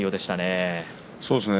そうですね